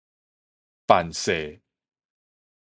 範勢